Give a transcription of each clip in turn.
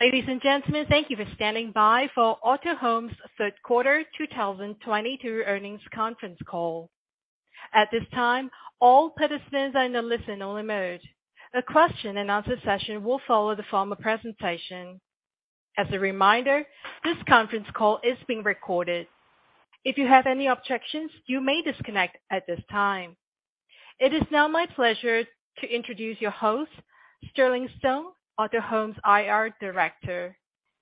Ladies and gentlemen, thank you for standing by for Autohome's third quarter 2022 earnings conference call. At this time, all participants are in a listen-only mode. A question and answer session will follow the formal presentation. As a reminder, this conference call is being recorded. If you have any objections, you may disconnect at this time. It is now my pleasure to introduce your host, Sterling Song, Autohome's IR director.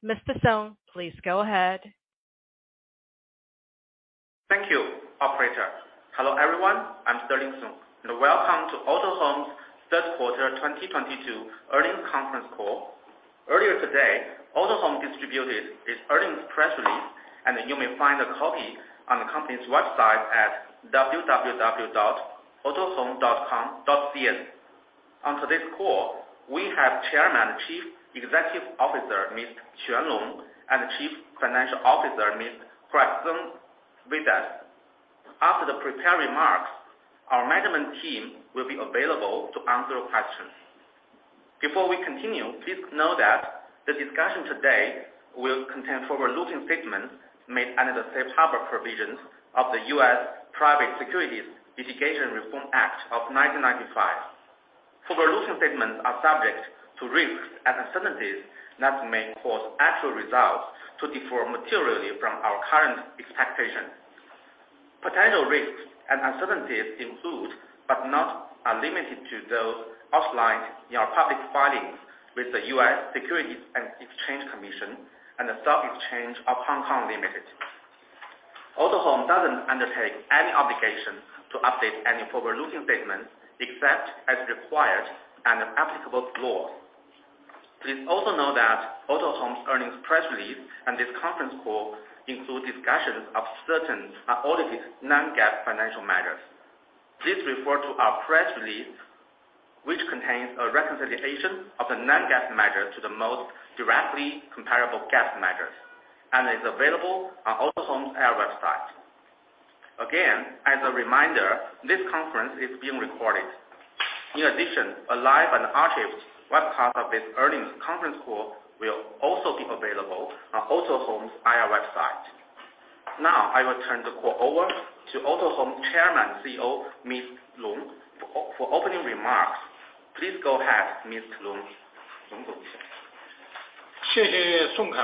Mr. Song, please go ahead. Thank you, operator. Hello, everyone. I'm Sterling Song, and welcome to Autohome's third quarter 2022 earnings conference call. Earlier today, Autohome distributed its earnings press release, and you may find a copy on the company's website at www.autohome.com.cn. On today's call, we have Chairman and Chief Executive Officer, Mr. Quan Long, and Chief Financial Officer, Mr. Craig Yan Zeng. After the prepared remarks, our management team will be available to answer questions. Before we continue, please know that the discussion today will contain forward-looking statements made under the Safe Harbor Provisions of the U.S. Private Securities Litigation Reform Act of 1995. Forward-looking statements are subject to risks and uncertainties that may cause actual results to differ materially from our current expectations. Potential risks and uncertainties include, but are not limited to those outlined in our public filings with the U.S. Securities and Exchange Commission and the Stock Exchange of Hong Kong Limited. Autohome doesn't undertake any obligation to update any forward-looking statements except as required under applicable law. Please also know that Autohome's earnings press release and this conference call include discussions of certain unaudited non-GAAP financial measures. Please refer to our press release, which contains a reconciliation of the non-GAAP measures to the most directly comparable GAAP measures and is available on Autohome's IR website. Again, as a reminder, this conference is being recorded. In addition, a live and archived webcast of this earnings conference call will also be available on Autohome's IR website. Now, I will turn the call over to Autohome Chairman and CEO, Mr. Long, for opening remarks. Please go ahead, Mr. Long. Thank you, everyone.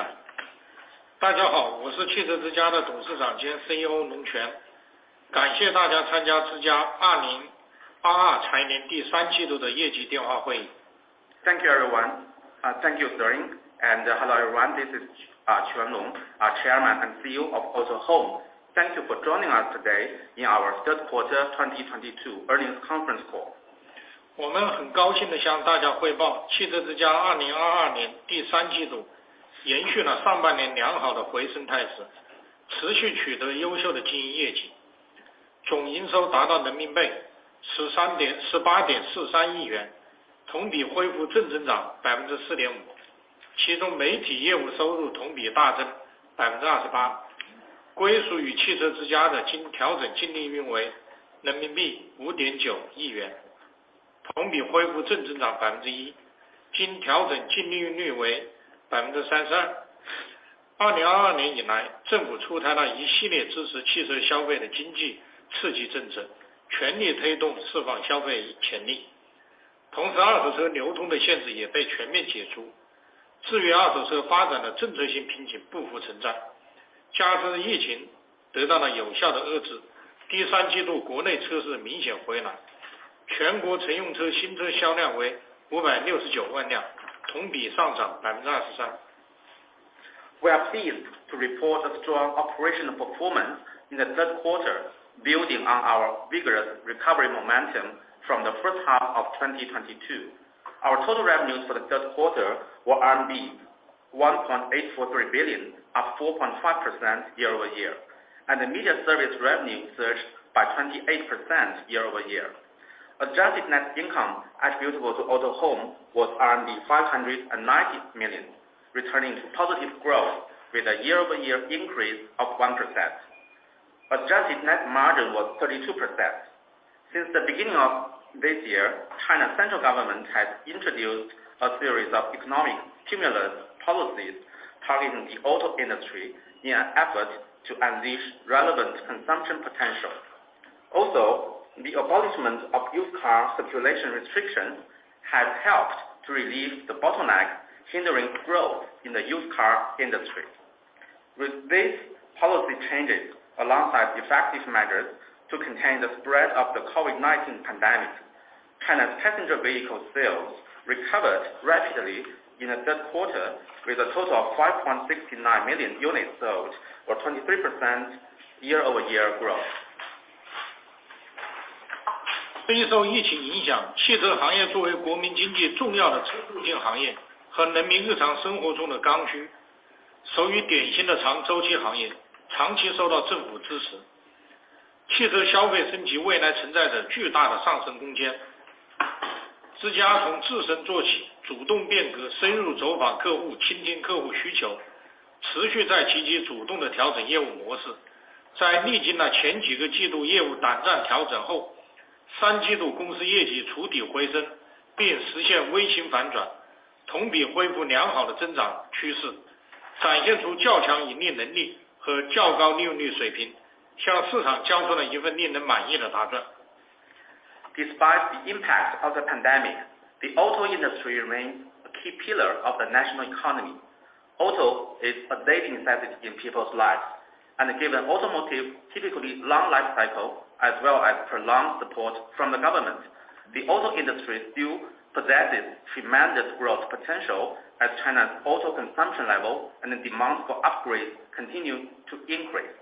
Thank you, Sterling. Hello, everyone. This is Quan Long, Chairman and CEO of Autohome. Thank you for joining us today in our third quarter of 2022 earnings conference call. We are pleased to report a strong operational performance in the third quarter, building on our vigorous recovery momentum from the first half of 2022. Our total revenues for the third quarter were RMB 1.843 billion, up 4.5% year-over-year. The media service revenue surged by 28% year-over-year. Adjusted net income attributable to Autohome was 590 million, returning to positive growth with a year-over-year increase of 1%. Adjusted net margin was 32%. Since the beginning of this year, China's central government has introduced a series of economic stimulus policies targeting the auto industry in an effort to unleash relevant consumption potential. Also, the abolishment of used car circulation restrictions has helped to relieve the bottleneck hindering growth in the used car industry. With these policy changes, alongside effective measures to contain the spread of the COVID-19 pandemic, China's passenger vehicle sales recovered rapidly in the third quarter, with a total of 5.69 million units sold or 23% year-over-year growth.第三季度公司业绩触底回升，并实现微型反转，同比恢复良好的增长趋势，展现出较强盈利能力和较高利润率水平，向市场交出了一份令人满意的答卷。Despite the impact of the pandemic, the auto industry remains a key pillar of the national economy. Auto is a basic necessity in people's lives, and given automotive typically long life cycle as well as prolonged support from the government, the auto industry still possesses tremendous growth potential as China's auto consumption level and the demand for upgrades continue to increase.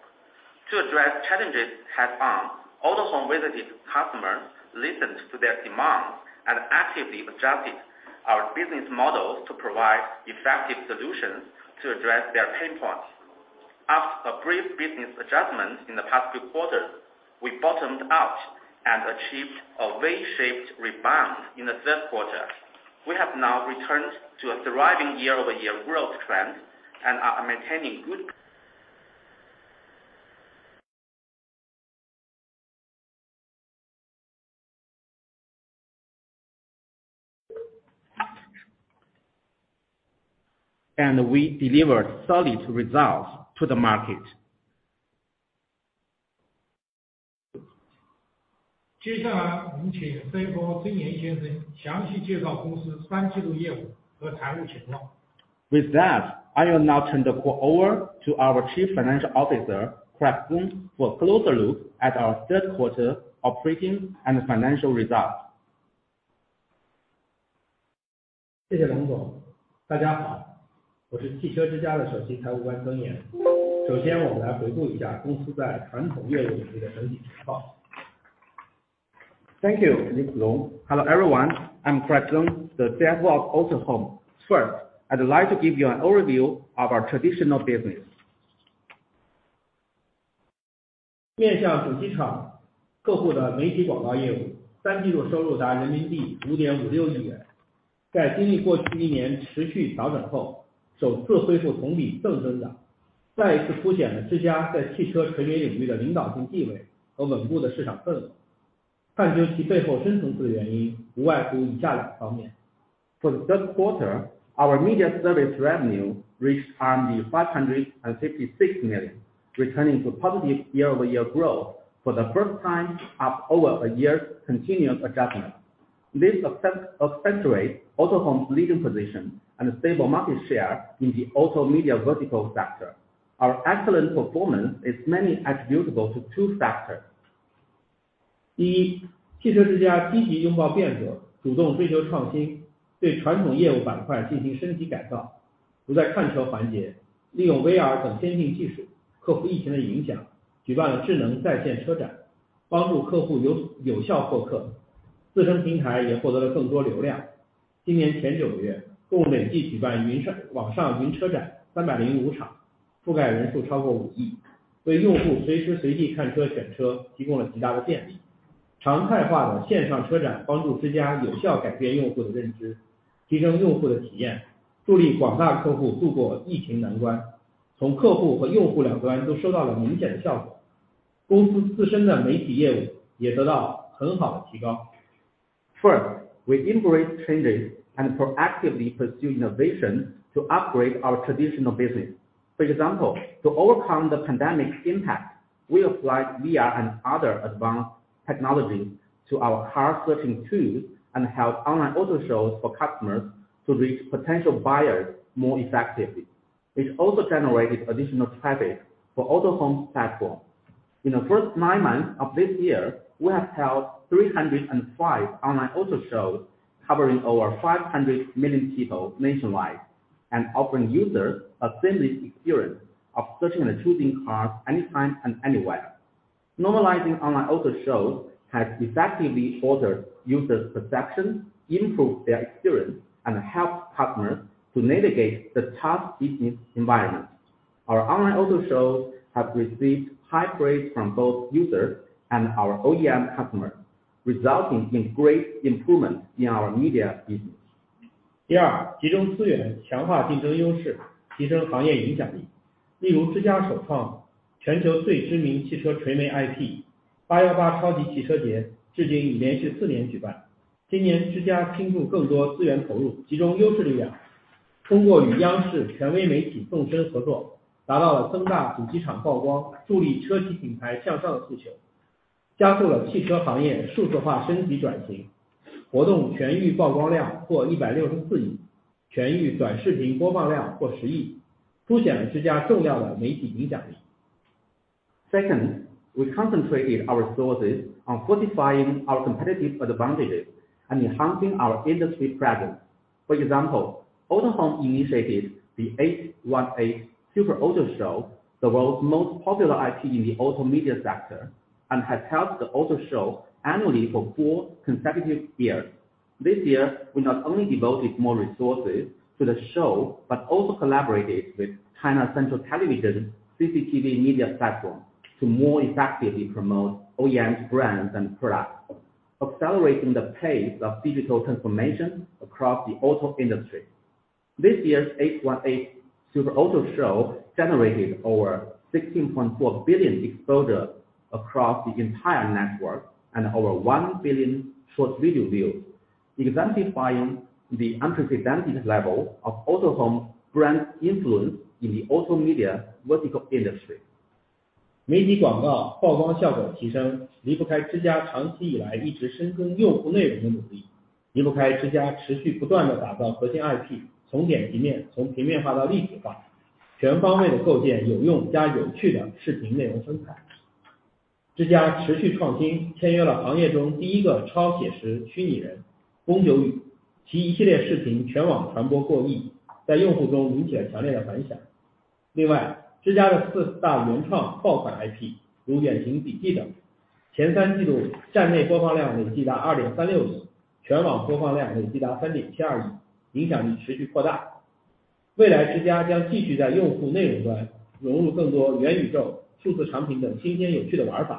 To address challenges head on, Autohome visited customers, listened to their demands, and actively adjusted our business models to provide effective solutions to address their pain points. After a brief business adjustment in the past few quarters, we bottomed out and achieved a V-shaped rebound in the third quarter. We have now returned to a thriving year-over-year growth trend. We delivered solid results to the market. 接下来我们请CFO孙岩先生详细介绍公司三季度业务和财务情况。With that, I will now turn the call over to our Chief Financial Officer, Craig Yan Zeng, for a closer look at our third quarter operating and financial results. 谢谢龙总。大家好，我是汽车之家的首席财务官孙岩。首先我们来回顾一下公司在传统业务领域的整体情况。Thank you, Mr. Long. Hello, everyone. I'm Craig Yan Zeng, the CFO of Autohome. First, I'd like to give you an overview of our traditional business. 面向主机厂客户的媒体广告业务，三季度收入达人民币5.56亿元，在经历过去一年持续调整后，首次恢复同比正增长，再一次凸显了之家在汽车传媒领域的领导性地位和稳固的市场份额。探究其背后深层次的原因，无外乎以下两方面。For the third quarter, our media service revenue reached RMB 556 million, returning to positive year-over-year growth for the first time after over a year of continuous adjustment. This asserts Autohome's leading position and stable market share in the auto media vertical sector. Our excellent performance is mainly attributable to two factors. 第一，汽车之家积极拥抱变化，主动追求创新，对传统业务板块进行升级改造。如在看车环节，利用VR等先进技术，克服疫情的影响，举办了智能在线车展，帮助客户有效获客，自身平台也获得了更多流量。今年前九个月共累计举办网上云车展305场，覆盖人数超过5亿，为用户随时随地看车、选车提供了极大的便利。常态化的线上车展帮助之家有效改变用户的认知，提升用户的体验，助力广大客户渡过疫情难关。从客户和用户两端都收到了明显的效果，公司自身的媒体业务也得到很好的提高。First, we embrace changes and proactively pursue innovation to upgrade our traditional business. For example, to overcome the pandemic's impact, we applied VR and other advanced technologies to our car searching tool and held online auto shows for customers to reach potential buyers more effectively. It also generated additional traffic for Autohome's platform. In the first nine months of this year, we have held 305 online auto shows, covering over 500 million people nationwide, and offering users a seamless experience of searching and choosing cars anytime and anywhere. Normalizing online auto shows has effectively altered users' perception, improved their experience, and helped customers to navigate the tough business environment. Our online auto shows have received high praise from both users and our OEM customers, resulting in great improvement in our media business. 第二，集中资源，强化竞争优势，提升行业影响力。例如，之家首创全球最知名汽车垂媒IP，818超级汽车节至今已连续四年举办，今年之家倾注更多资源投入，集中优势力量，通过与央视权威媒体纵深合作，达到了增大主机厂曝光，助力车企品牌向上的诉求，加速了汽车行业数字化升级转型。活动全域曝光量破164亿，全域短视频播放量破10亿，凸显了之家重要的媒体影响力。Second, we concentrated our resources on fortifying our competitive advantages and enhancing our industry presence. For example, Autohome initiated the 818 Super Auto Show, the world's most popular IP in the auto media sector, and has held the auto show annually for four consecutive years. This year, we not only devoted more resources to the show, but also collaborated with China Central Television (CCTV) media platform to more effectively promote OEM's brands and products, accelerating the pace of digital transformation across the auto industry. This year's 818 Super Auto Show generated over 16.4 billion exposure across the entire network and over 1 billion short video views, exemplifying the unprecedented level of Autohome brand influence in the auto media vertical industry. Increased media exposure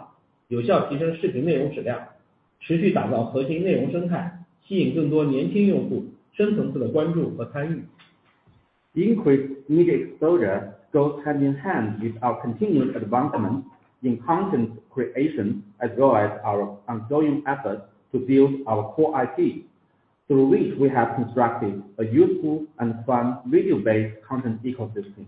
goes hand in hand with our continuous advancement in content creation, as well as our ongoing efforts to build our core IP. Through which we have constructed a useful and fun video-based content ecosystem.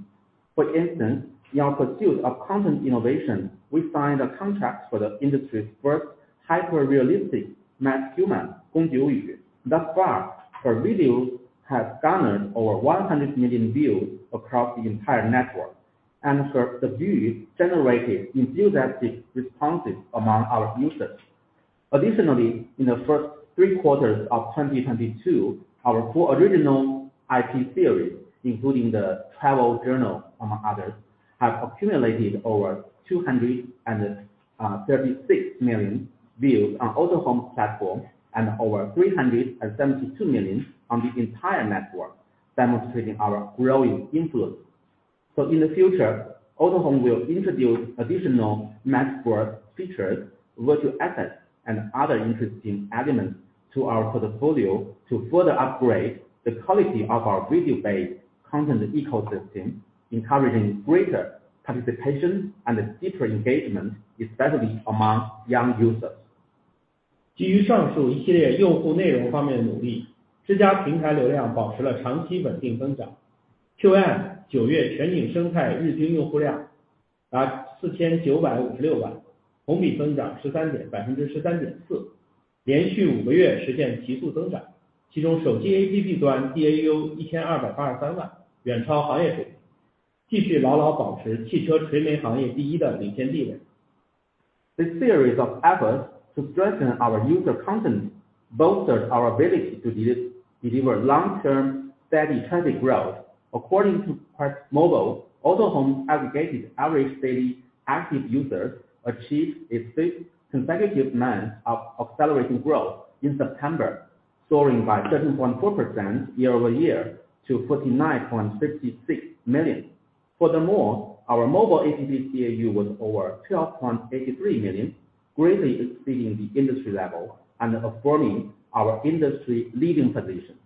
For instance, in our pursuit of content innovation, we signed a contract for the industry's first hyper-realistic meta-human, Gong Jiuyu. Thus far, her videos have garnered over 100 million views across the entire network, and her debut generated enthusiastic responses among our users. Additionally, in the first three quarters of 2022, our four original IP series, including the Travel Journal, among others, have accumulated over 236 million views on Autohome platform and over 372 million on the entire network, demonstrating our growing influence. In the future, Autohome will introduce additional metaverse features, virtual assets, and other interesting elements to our portfolio to further upgrade the quality of our video-based content ecosystem, encouraging greater participation and deeper engagement, especially among young users. 基于上述一系列用户内容方面的努力，知家平台流量保持了长期稳定增长。QuestMobile九月全景生态日均用户量达4,956万，同比增长13.4%，连续五个月实现急速增长，其中手机APP端DAU 1,283万，远超行业水平，继续牢牢保持汽车垂类行业第一的领先地位。The series of efforts to strengthen our user content bolsters our ability to deliver long-term steady traffic growth. According to QuestMobile, Autohome aggregated average daily active users achieved its sixth consecutive month of accelerating growth in September, soaring by 13.4% year-over-year to 49.56 million. Furthermore, our mobile APP DAU was over 12.83 million, greatly exceeding the industry level and affirming our industry-leading position.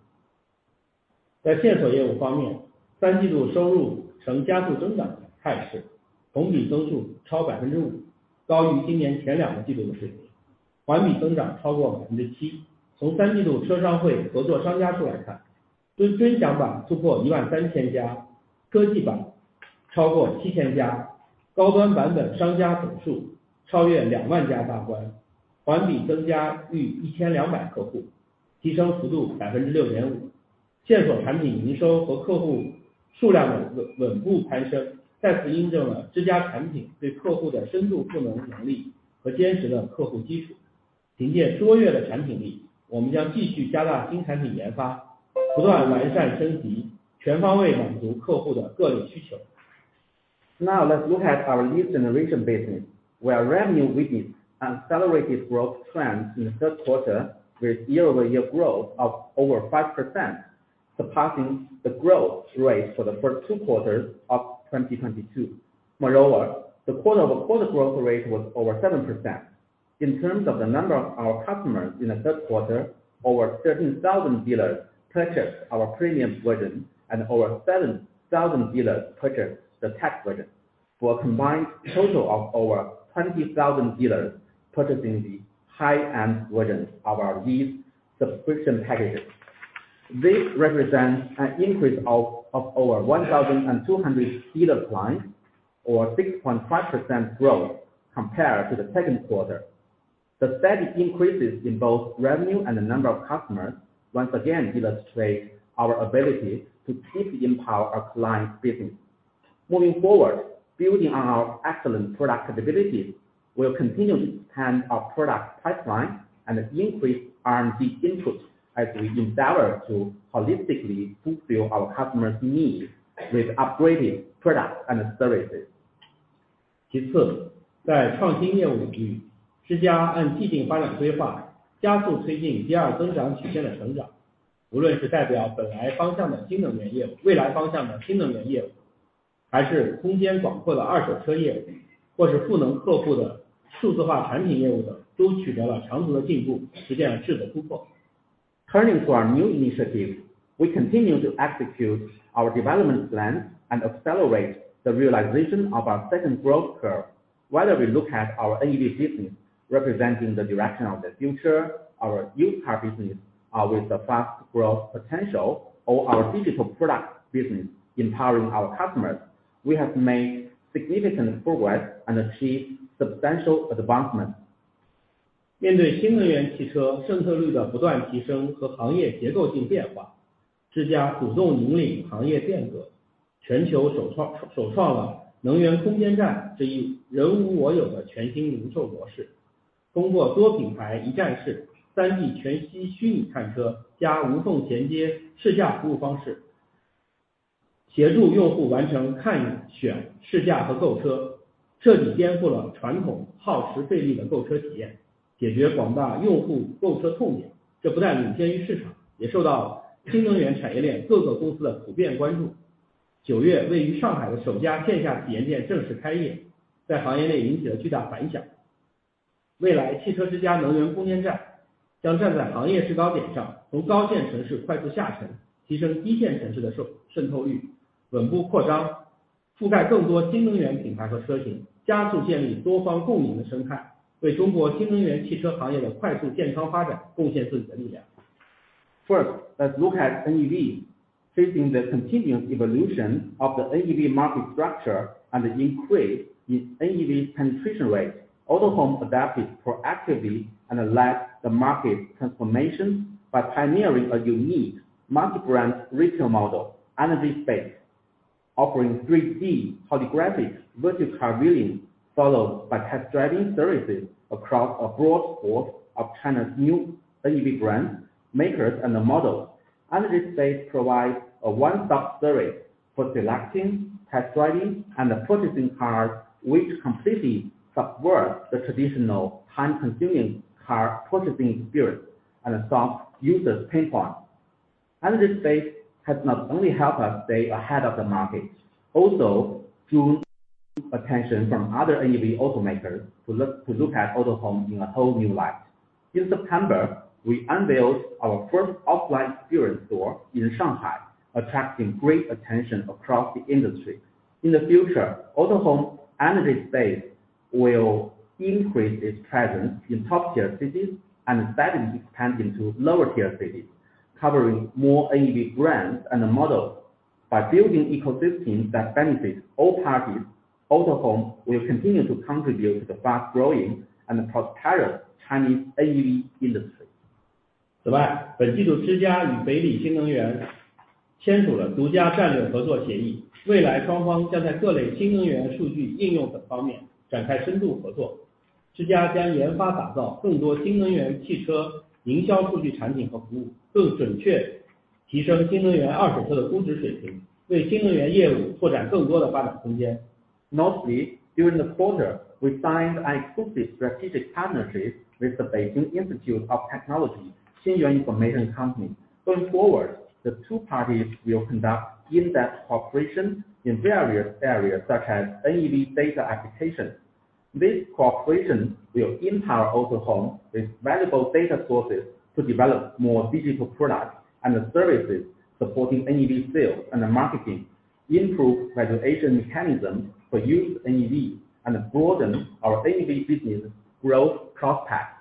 Now let's look at our lead generation business, where revenue witnessed an accelerated growth trend in the third quarter, with year-over-year growth of over 5%, surpassing the growth rate for the first two quarters of 2022. Moreover, the quarter-over-quarter growth rate was over 7%. In terms of the number of our customers in the third quarter, over 13,000 dealers purchased our premium version and over 7,000 dealers purchased the tech version, for a combined total of over 20,000 dealers purchasing the high-end versions of our lead subscription packages. This represents an increase of over 1,200 dealer clients or 6.5% growth compared to the second quarter. The steady increases in both revenue and the number of customers once again illustrate our ability to deeply empower our client business. Moving forward, building on our excellent product abilities, we will continually expand our product pipeline and increase R&D input as we endeavor to holistically fulfill our customers' needs with upgraded products and services. 其次，在创新业务领域，知家按既定发展规划加速推进第二增长曲线的成长，无论是代表本来方向的新能源业务、未来方向的新能源业务，还是空间广阔的二手车业务，或是赋能客户的数字化产品业务等，都取得了长足的进步，实现了质的突破。Turning to our new initiatives, we continue to execute our development plans and accelerate the realization of our second growth curve. Whether we look at our EV business representing the direction of the future, our used car business with the fast growth potential, or our digital product business empowering our customers, we have made significant progress and achieved substantial advancement. First, let's look at NEV. Facing the continuing evolution of the NEV market structure and the increase in NEV penetration rates, Autohome adapted proactively and led the market transformation by pioneering a unique multi-brand retail model, Energy Space. Offering 3D holographic virtual car viewing followed by test driving services across a broad swath of China's new NEV brand makers and models, Energy Space provides a one-stop service for selecting, test driving and purchasing cars, which completely subverts the traditional time-consuming car purchasing experience and solves users' pain points. Energy Space has not only helped us stay ahead of the market, also drew attention from other NEV automakers who look at Autohome in a whole new light. In September, we unveiled our first offline experience store in Shanghai, attracting great attention across the industry. In the future, Autohome Energy Space will increase its presence in top-tier cities and steadily expand into lower-tier cities, covering more NEV brands and models. By building ecosystems that benefit all parties, Autohome will continue to contribute to the fast-growing and prosperous Chinese NEV industry. 此外，本季度之家与北理新源签署了独家战略合作协议，未来双方将在各类新能源数据应用等方面展开深度合作，之家将研发打造更多新能源汽车营销数据产品和服务，更准确提升新能源二手车的估值水平，为新能源业务拓展更多的发展空间。Lastly, during the quarter, we signed an exclusive strategic partnership with the Beijing Institute of Technology Xinyuan Information Science & Technology Co, Ltd. Going forward, the two parties will conduct in-depth cooperation in various areas such as NEV data application. This cooperation will empower Autohome with valuable data sources to develop more digital products and services supporting NEV sales and marketing, improve regulation mechanisms for used NEV and broaden our NEV business growth prospects.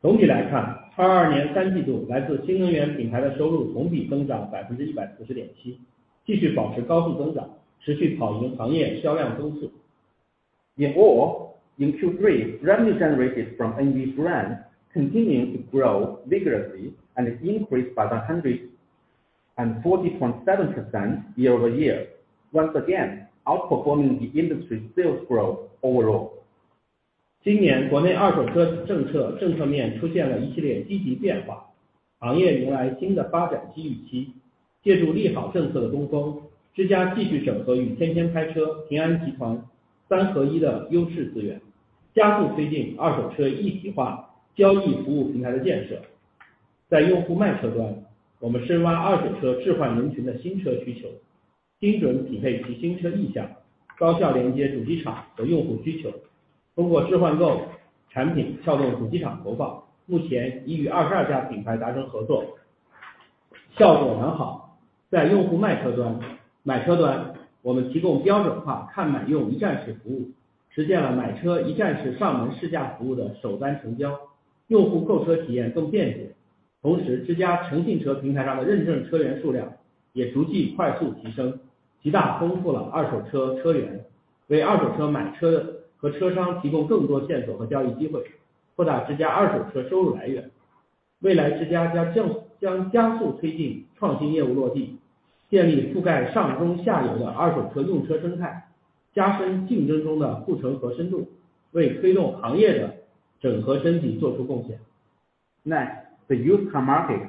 总体来看，2022年三季度来自新能源品牌的收入同比增长140.7%，继续保持高速增长，持续跑赢行业销量增速。Therefore, in Q3, revenue generated from NEV brands continued to grow vigorously and increased by 140.7% year-over-year, once again outperforming the industry sales growth overall. Next, the used car market.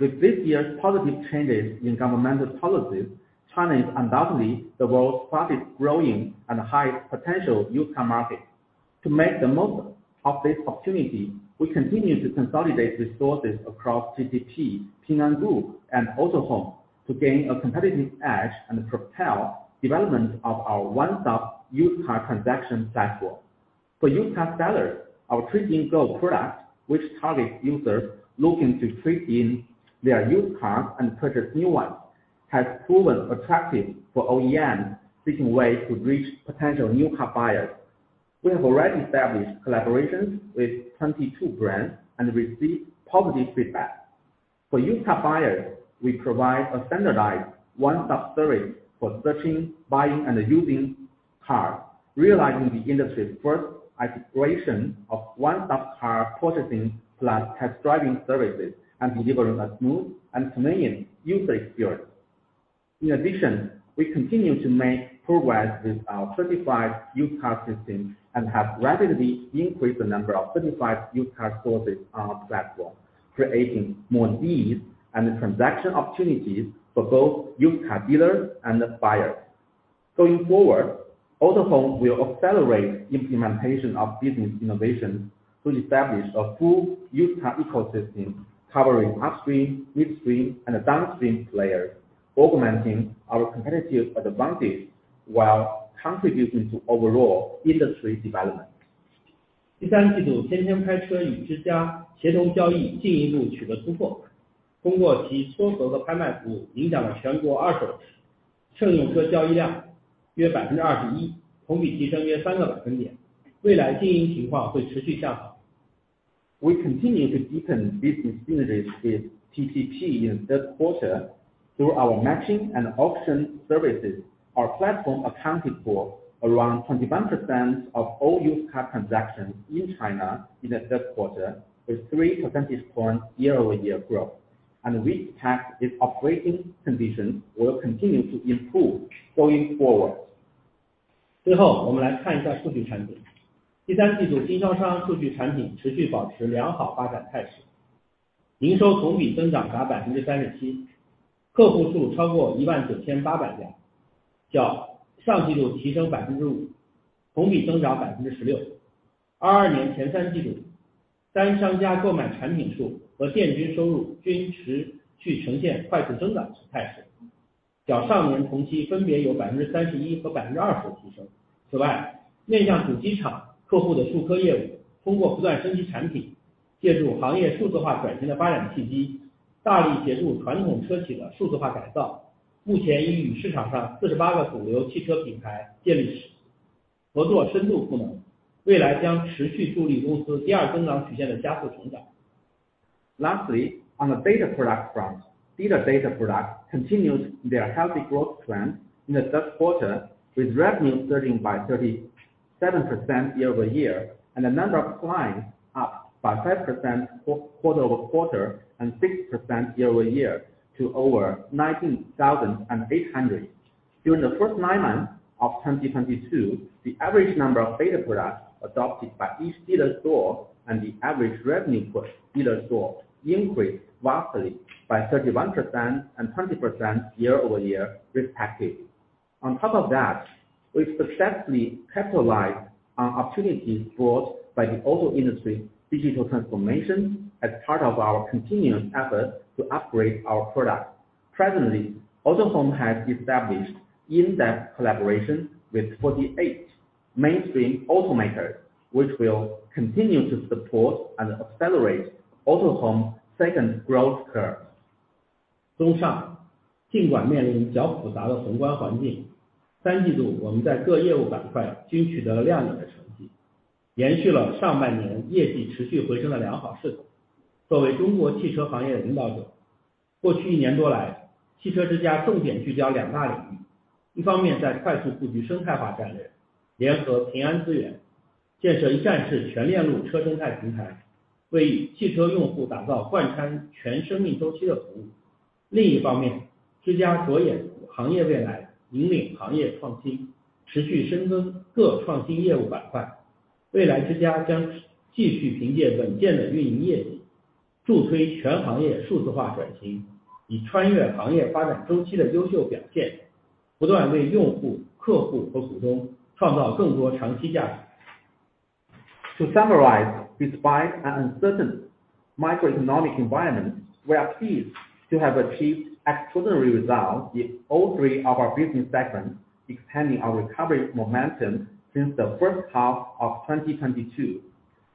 With this year's positive changes in governmental policies, China is undoubtedly the world's fastest growing and highest potential used car market. To make the most of this opportunity, we continue to consolidate resources across TTP, Ping An Group, and Autohome to gain a competitive edge and propel development of our one-stop used car transaction platform. For used car sellers, our trade-in growth product, which targets users looking to trade in their used cars and purchase new ones, has proven attractive for OEMs seeking ways to reach potential new car buyers. We have already established collaborations with 22 brands and received positive feedback. For used car buyers, we provide a standardized one-stop service for searching, buying and using cars, realizing the industry's first iteration of one-stop car processing plus test driving services and delivering a smooth and convenient user experience. In addition, we continue to make progress with our certified used car system and have rapidly increased the number of certified used car sources on our platform, creating more needs and transaction opportunities for both used car dealers and the buyers. Going forward, Autohome will accelerate implementation of business innovations to establish a full used car ecosystem covering upstream, midstream and downstream players, augmenting our competitive advantage while contributing to overall industry development. 第三季度，天天拍车与之家协同交易进一步取得突破，通过其搜索和拍卖服务影响了全国二手车乘用车交易量约21%，同比提升约3个百分点，未来经营情况会持续向好。We continue to deepen business synergies with TTP in the third quarter through our matching and auction services. Our platform accounted for around 21% of all used car transactions in China in the third quarter, with three percentage points year-over-year growth. We expect its operating conditions will continue to improve going forward. Lastly, on the data product front, dealer data product continues their healthy growth trend in the third quarter, with revenue rising by 37% year-over-year and the number of clients up by 5% quarter-over-quarter and 6% year-over-year to over 19,800. During the first nine months of 2022, the average number of data products adopted by each dealer store and the average revenue per dealer store increased vastly by 31% and 20% year-over-year, respectively. On top of that, we successfully capitalized on opportunities brought by the auto industry's digital transformation as part of our continuous efforts to upgrade our product. Presently, Autohome has established in-depth collaboration with 48 mainstream automakers, which will continue to support and accelerate Autohome's second growth curve. To summarize, despite an uncertain macroeconomic environment, we are pleased to have achieved extraordinary results in all three of our business segments, expanding our recovery momentum since the first half of 2022.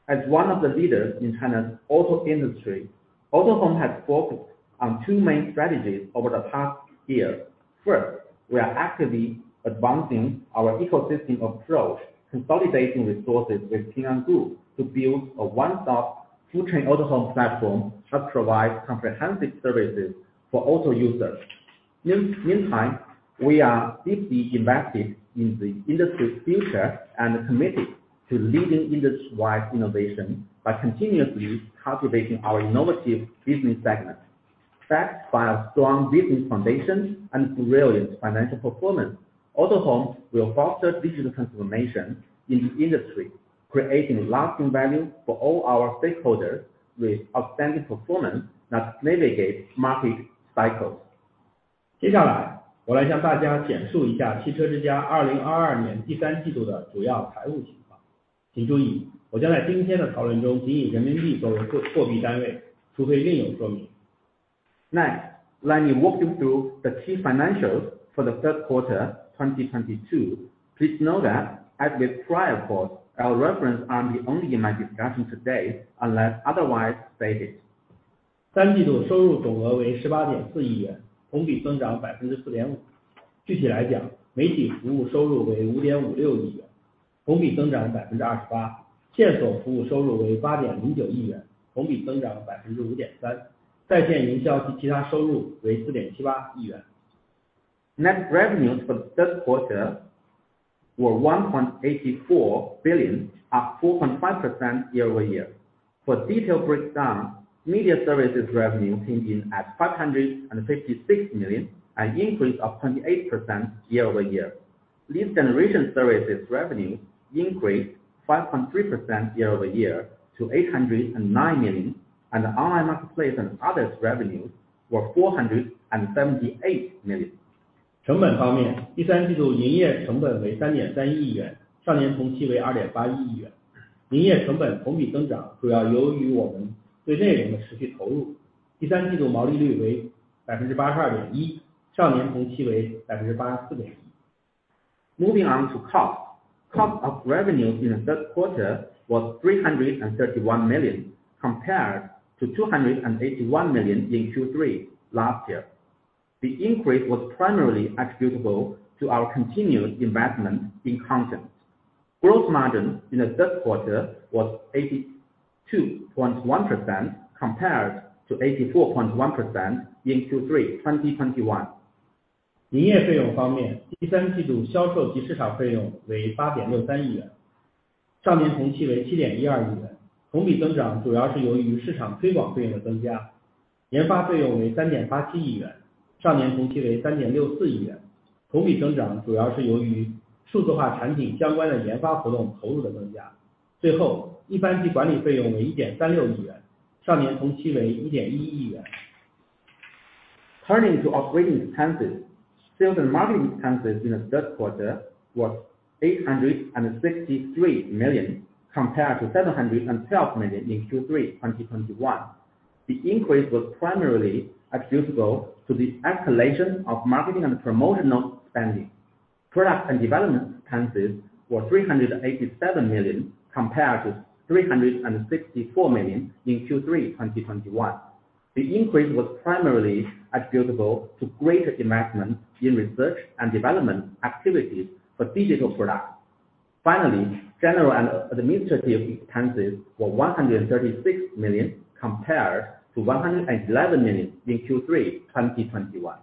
As one of the leaders in China's auto industry, Autohome has focused on two main strategies over the past year. First, we are actively advancing our ecosystem approach, consolidating resources with Ping An Group to build a one-stop full-chain Autohome platform that provides comprehensive services for auto users. In the meantime, we are deeply invested in the industry's future and committed to leading industry-wide innovation by continuously cultivating our innovative business segments. Backed by a strong business foundation and brilliant financial performance, Autohome will foster digital transformation in the industry, creating lasting value for all our stakeholders with outstanding performance that navigates market cycles. 接下来我来向大家简述一下汽车之家2022年第三季度的主要财务情况。请注意，我将在今天的讨论中仅以人民币作为货币单位，除非另有说明。Next, let me walk you through the key financials for the third quarter 2022. Please note that as with prior quotes, I will reference RMB only in my discussion today unless otherwise stated. 三季度收入总额为18.4亿元，同比增长4.5%。具体来讲，媒体服务收入为5.56亿元，同比增长28%。线索服务收入为8.09亿元，同比增长5.3%。在线营销及其他收入为4.78亿元。Net revenues for the third quarter were 1.84 billion, up 4.5% year-over-year. For detailed breakdown, media services revenue came in at 556 million, an increase of 28% year-over-year. Lead generation services revenue increased 5.3% year-over-year to 809 million, and online marketplace and others revenues were 478 million. 成本方面，第三季度营业成本为3.31亿元，上年同期为2.81亿元。营业成本同比增长，主要由于我们对内容的持续投入。第三季度毛利率为82.1%，上年同期为84.1%。Moving on to cost. Cost of revenues in the third quarter was 331 million compared to 281 million in Q3 last year. The increase was primarily attributable to our continued investment in content. Gross margin in the third quarter was 82.1% compared to 84.1% in Q3 2021. 营业费用方面，第三季度销售及市场费用为8.63亿元，上年同期为7.12亿元。同比增长主要是由于市场推广费用的增加。研发费用为3.87亿元，上年同期为3.64亿元。同比增长主要是由于数字化产品相关的研发活动投入的增加。最后，一般及管理费用为1.36亿元，上年同期为1.1亿元。Turning to operating expenses. Sales and marketing expenses in the third quarter was 863 million compared to 712 million in Q3 2021. The increase was primarily attributable to the escalation of marketing and promotional spending. Product and development expenses were 387 million compared to 364 million in Q3 2021. The increase was primarily attributable to greater investment in research and development activities for digital products. Finally, general and administrative expenses were 136 million compared to 111 million in Q3 2021.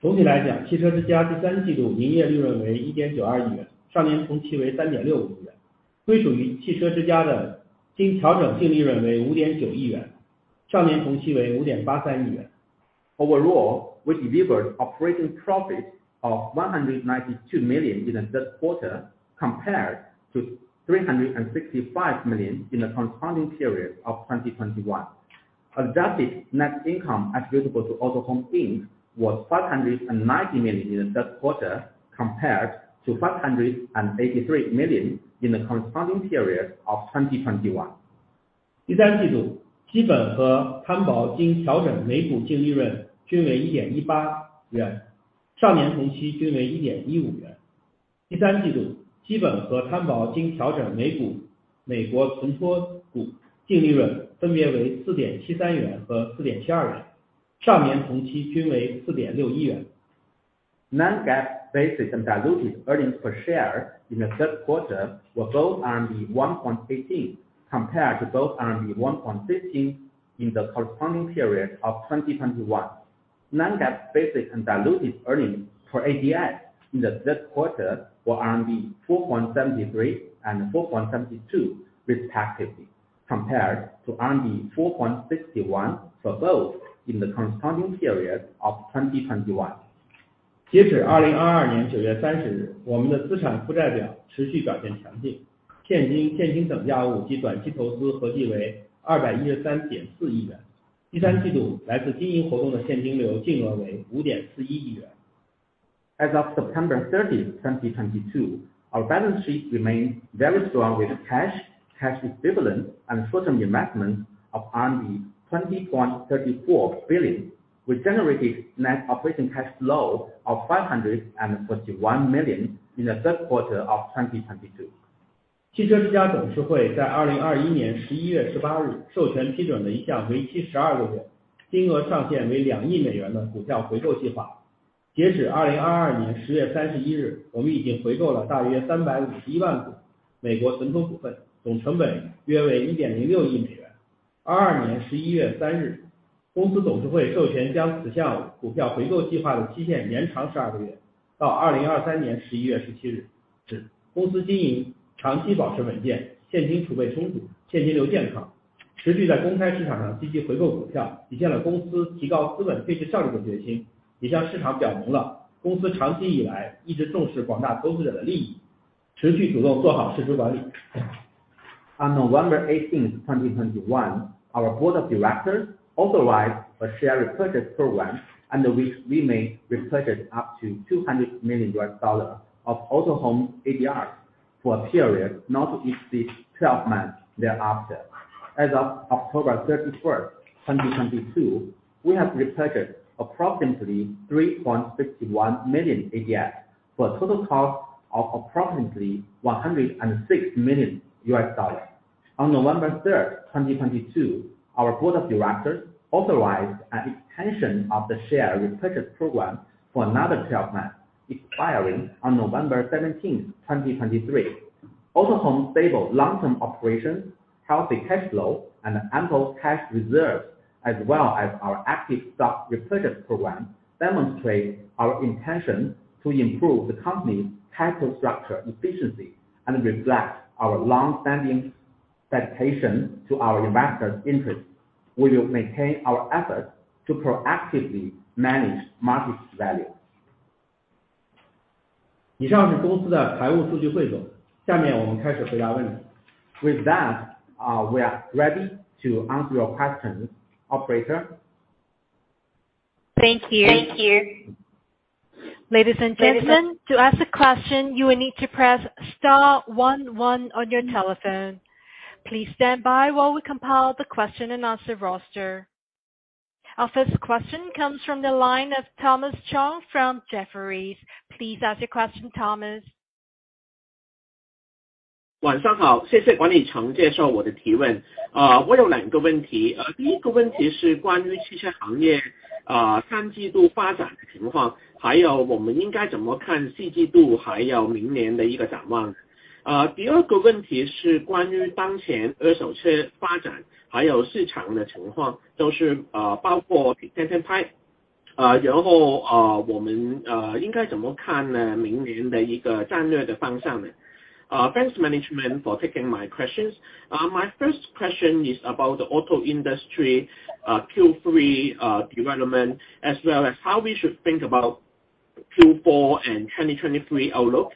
总体来讲，汽车之家第三季度营业利润为1.92亿元，上年同期为3.65亿元。归属于汽车之家的经调整净利润为5.9亿元，上年同期为5.83亿元。Overall, we delivered operating profit of 192 million in the third quarter compared to 365 million in the corresponding period of 2021. Adjusted net income attributable to Autohome Inc was 590 million in the third quarter compared to 583 million in the corresponding period of 2021. 第三季度基本和摊薄经调整每股净利润均为1.18元，上年同期均为1.15元。第三季度基本和摊薄经调整每股美国存托股净利润分别为4.73元和4.72元，上年同期均为4.60元。Non-GAAP basic and diluted earnings per share in the third quarter were both 1.18 compared to both 1.15 in the corresponding period of 2021. Non-GAAP basic and diluted earnings per ADS in the third quarter were RMB 4.73 and 4.72, respectively, compared to RMB 4.61 for both in the corresponding period of 2021. 截止2022年9月30日，我们的资产负债表持续表现强劲，现金、现金等价物及短期投资合计为RMB 213.4亿元。第三季度来自经营活动的现金流净额为RMB 5.41亿元。As of September 30th, 2022, our balance sheet remained very strong with cash equivalents and short-term investments of 21.34 billion. We generated net operating cash flow of 541 million in the third quarter of 2022. On November 18th, 2021, our board of directors authorized a share repurchase program under which we may repurchase up to $200 million of Autohome ADS for a period not to exceed 12 months thereafter. As of October 31st, 2022, we have repurchased approximately 3.61 million ADS for a total cost of approximately $106 million. On November 3rd, 2022, our board of directors authorized an extension of the share repurchase program for another 12 months, expiring on November 17th, 2023. Autohome stable long-term operation, healthy cash flow and ample cash reserves, as well as our active stock repurchase program, demonstrate our intention to improve the company's capital structure efficiency and reflect our long-standing dedication to our investors' interest. We will maintain our efforts to proactively manage market value. 以上是公司的财务数据汇总，下面我们开始回答问题。With that, we are ready to answer your questions. Operator. Thank you. Thank you. Ladies and gentlemen, to ask a question, you will need to press star one one on your telephone. Please stand by while we compile the question-and-answer roster. Our first question comes from the line of Thomas Chong from Jefferies. Please ask your question, Thomas. 晚上好，谢谢管理层接受我的提问。我有两个问题，第一个问题是关于汽车行业三季度发展的情况，还有我们应该怎么看四季度，还有明年的一个展望。第二个问题是关于当前二手车发展，还有市场的情况，包括TTP。然后我们应该怎么看明年的一个战略的方向呢？Thanks management for taking my questions. My first question is about the auto industry, Q3 development, as well as how we should think about Q4 and 2023 outlook.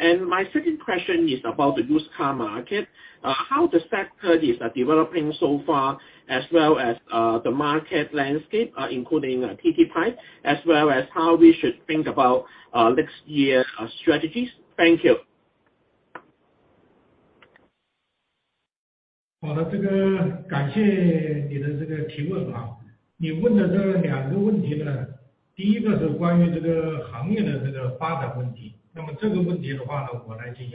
My second question is about the used car market. How the sector is developing so far as well as the market landscape, including TTP, as well as how we should think about next year strategies. Thank you. 好的，感谢你的提问。你问的这两个问题，第一个是关于行业的发展问题，那么这个问题我来进行回答。那么第二个，是关于二手车这一块，等下我们这个CFO振彦来进行回答。那么汽车行业作为国民经济的支柱行业，它的相关政策和发展一直是受到各方的关注。Thank you for your questions. The first question is related to the industry, and I will answer that. Your second question is related to the used car business. Our CFO, Craig Yan Zeng,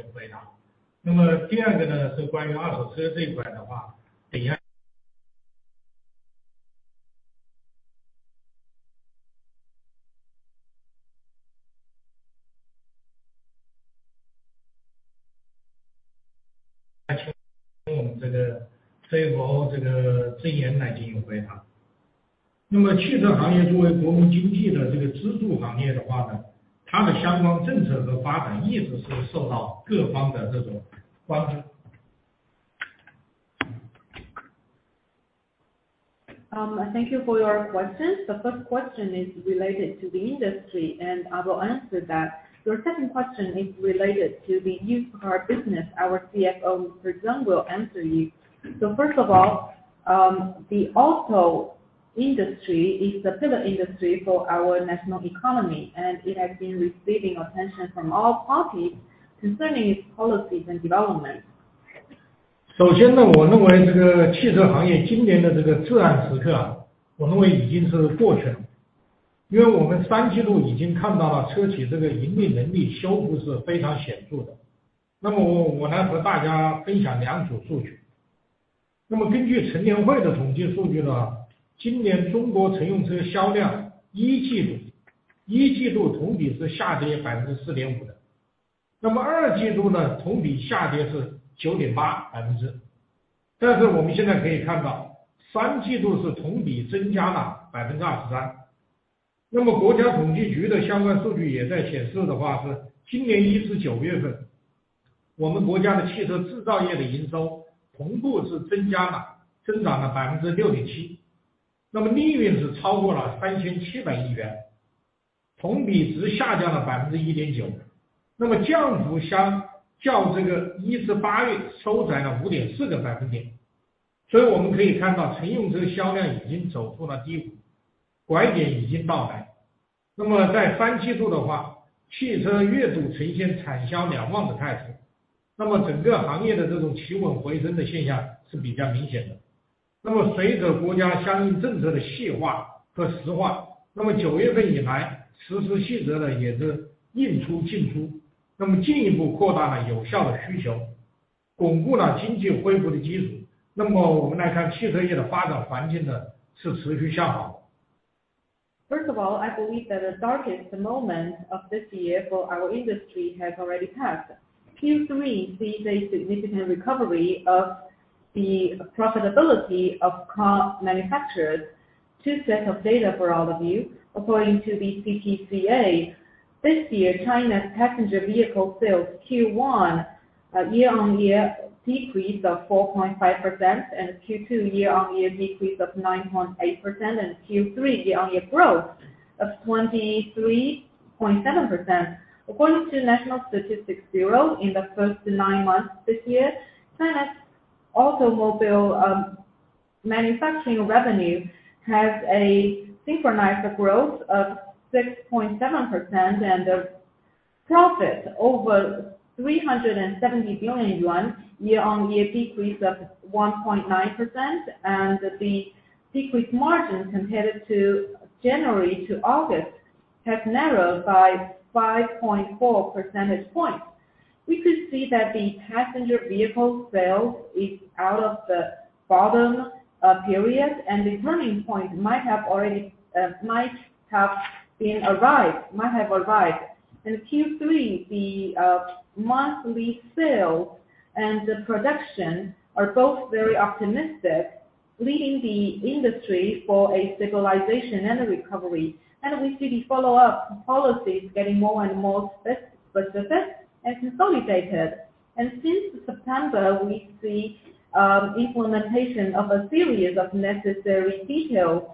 will answer you. First of all, the auto industry is the pillar industry for our national economy, and it has been receiving attention from all parties concerning its policies and development. First of all, I believe that the darkest moment of this year for our industry has already passed. Q3 sees a significant recovery of the profitability of car manufacturers. Two sets of data for all of you. According to the CPCA, this year, China's passenger vehicle sales Q1 year-on-year decrease of 4.5% and Q2 year-on-year decrease of 9.8% and Q3 year-on-year growth of 23.7%. According to National Bureau of Statistics, in the first nine months this year, China's automobile manufacturing revenue has a synchronized growth of 6.7% and a profit over 370 billion yuan, year-on-year decrease of 1.9%, and the sequential margin compared to January to August has narrowed by 5.4 percentage points. We could see that the passenger vehicle sales is out of the bottom period, and the turning point might have already arrived. In Q3, the monthly sales and the production are both very optimistic, leading the industry for a stabilization and recovery. We see the follow-up policies getting more and more specific and consolidated. Since September, we see implementation of a series of necessary details.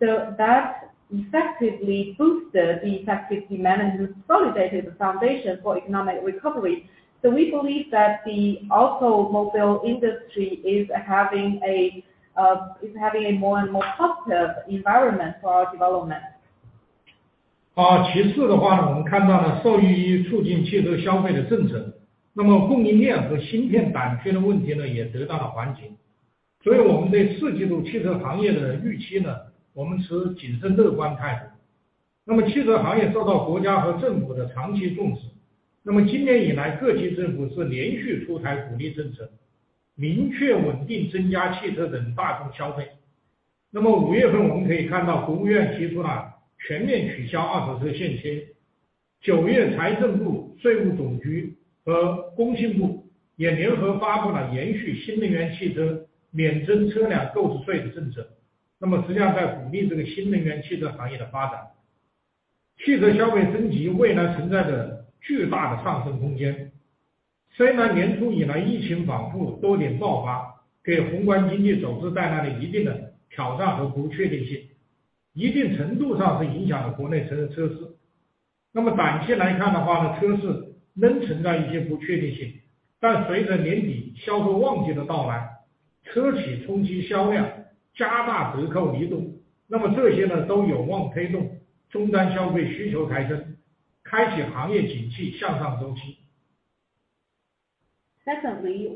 That effectively boosted the effective demand and consolidated the foundation for economic recovery. We believe that the automobile industry is having a more and more positive environment for our development. Secondly,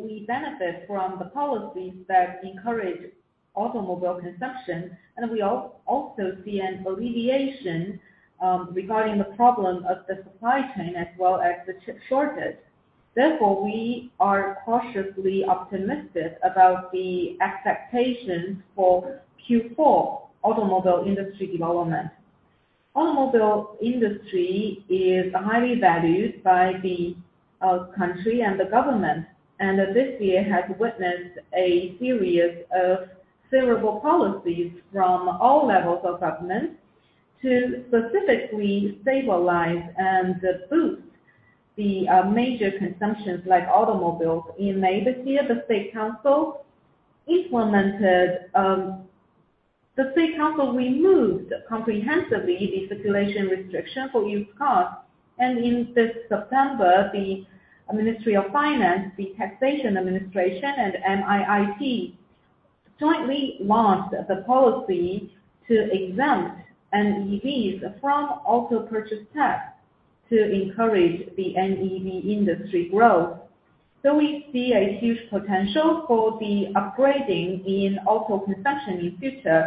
we benefit from the policies that encourage automobile consumption, and we also see an alleviation regarding the problem of the supply chain as well as the chip shortage. Therefore, we are cautiously optimistic about the expectations for Q4 automobile industry development. Automobile industry is highly valued by the country and the government, and this year has witnessed a series of favorable policies from all levels of government to specifically stabilize and boost the major consumptions like automobiles. In May this year, the State Council removed comprehensively the circulation restriction for used cars. In this September, the Ministry of Finance, the Taxation Administration, and MIIT jointly launched the policy to exempt NEVs from auto purchase tax to encourage the NEV industry growth. We see a huge potential for the upgrading in auto consumption in future.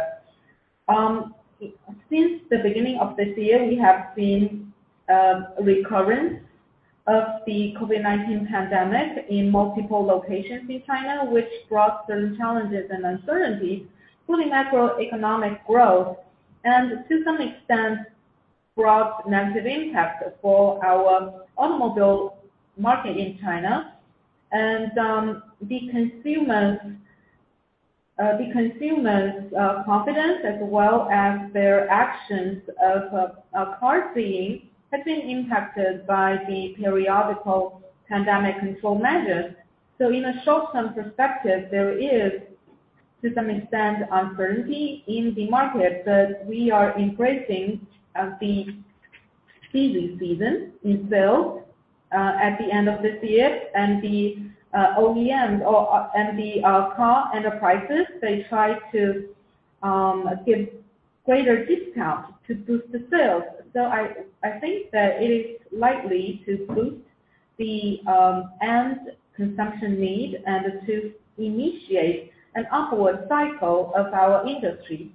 Since the beginning of this year, we have seen recurrence of the COVID-19 pandemic in multiple locations in China, which brought some challenges and uncertainties to the macroeconomic growth and to some extent brought negative impacts for our automobile market in China. The consumers' confidence as well as their actions of car buying has been impacted by the periodical pandemic control measures. In a short-term perspective, there is to some extent uncertainty in the market. We are embracing the silly season in sales at the end of this year. The OEMs and the car enterprises, they try to give greater discount to boost the sales. I think that it is likely to boost the pent-up consumption need and to initiate an upward cycle of our industry.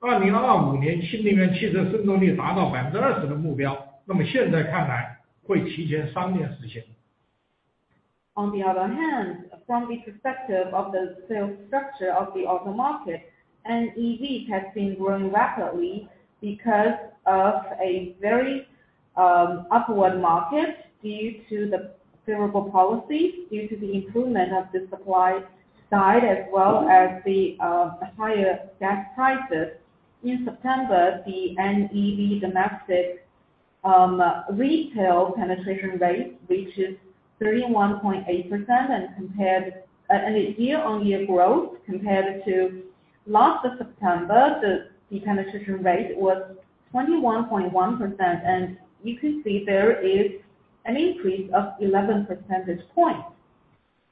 On the other hand, from the perspective of the sales structure of the auto market, NEV has been growing rapidly because of a very upward market due to the favorable policies, due to the improvement of the supply side as well as the higher gas prices. In September, the NEV domestic retail penetration rate reaches 31.8% and the year-on-year growth compared to last September, the penetration rate was 21.1%, and you can see there is an increase of 11 percentage points.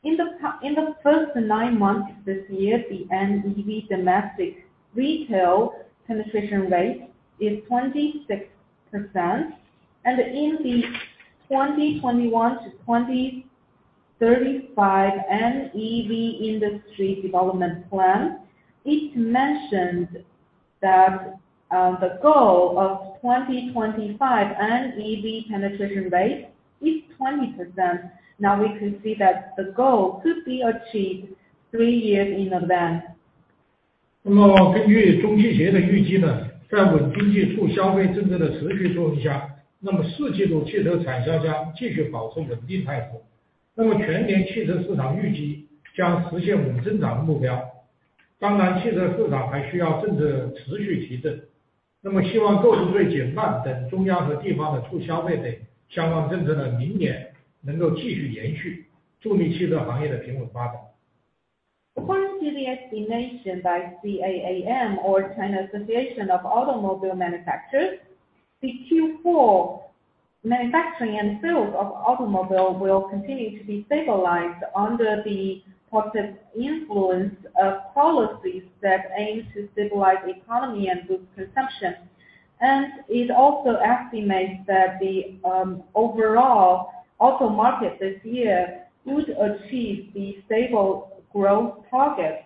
In the first nine months this year, the NEV domestic retail penetration rate is 26%. In the 2021 to 2035 NEV industry development plan, it mentioned that the goal of 2025 NEV penetration rate is 20%. Now we can see that the goal could be achieved three years in advance. 那么根据中汽协的预计呢，在稳经济促消费政策的持续作用下，那么四季度汽车产销将继续保持稳定态势。那么全年汽车市场预计将实现稳增长目标。当然，汽车市场还需要政策持续提振，那么希望购置税减半等中央和地方的促消费等相关政策呢，明年能够继续延续，助力汽车行业的平稳发展。According to the estimation by CAAM or China Association of Automobile Manufacturers, the Q4 manufacturing and sales of automobile will continue to be stabilized under the positive influence of policies that aim to stabilize economy and boost consumption. It also estimates that the overall auto market this year would achieve the stable growth target.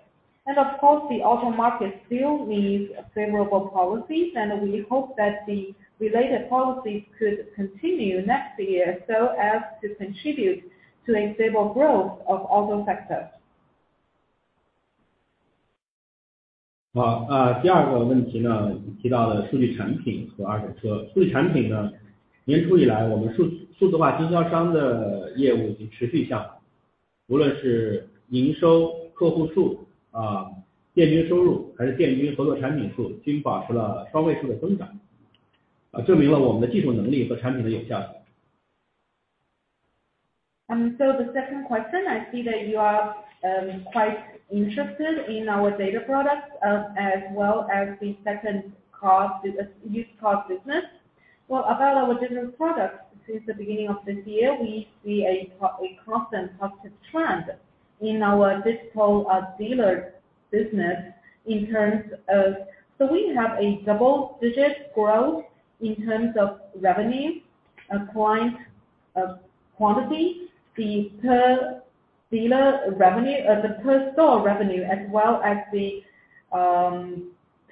Of course, the auto market still needs favorable policies, and we hope that the related policies could continue next year so as to contribute to a stable growth of auto sector. 好，第二个问题呢，你提到的数据产品和二手车。数据产品呢，年初以来，我们数字化经销商的业务已持续向好，无论是营收、客户数，店均收入还是店均合作产品数均保持了双位数的增长，证明了我们的技术能力和产品的有效性。The second question, I see that you are quite interested in our data products, as well as the used cars business. Well, about our digital products, since the beginning of this year, we see a constant positive trend in our digital dealer business in terms of, so we have a double-digit growth in terms of revenue, client quantity, the per dealer revenue, the per store revenue, as well as the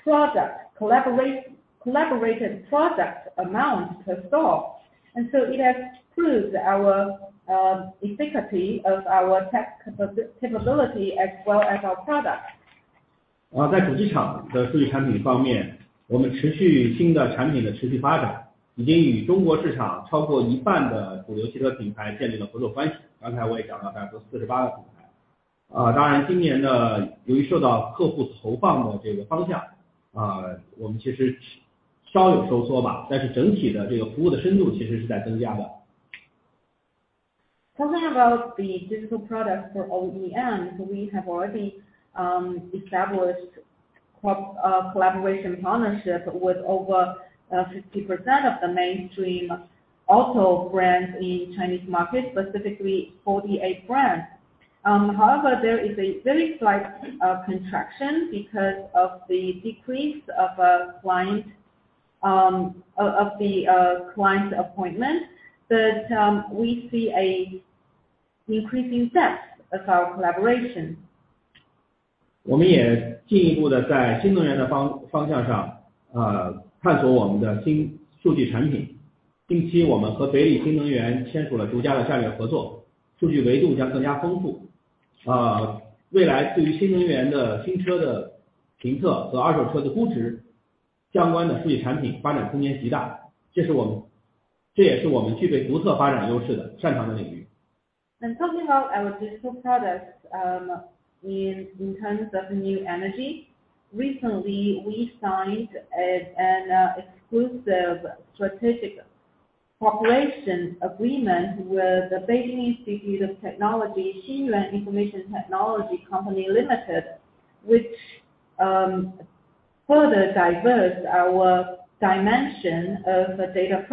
product collaboration, collaborated product amount per store. It has proved our efficacy of our tech capability as well as our products. 然后在主机厂的数据产品方面，我们持续与新的产品的持续发展，已经与中国市场超过一半的主流汽车品牌建立了合作关系。刚才我也讲到，大概是48个品牌。当然今年呢，由于受到客户投放的这个方向，我们其实稍有收缩吧，但是整体的这个服务的深度其实是在增加的。Talking about the digital products for OEM, we have already established collaboration partnership with over 60% of the mainstream auto brands in Chinese market, specifically 48 brands. However, there is a very slight contraction because of the decrease of client of the client appointment. We see a increasing depth of our collaboration. 我们也进一步地在新能源的方向上，探索我们的新数据产品。近期我们和北汽新能源签署了独家的战略合作，数据维度将更加丰富。未来对于新能源的新车的评测和二手车的估值相关的数据产品发展空间极大，这是我们，这也是我们具备独特发展优势的擅长的领域。Talking about our digital products, in terms of new energy. Recently, we signed an exclusive strategic cooperation agreement with the Beijing Institute of Technology Xinyuan Information Science & Technology Co, Ltd, which further diversifies our dimension of the data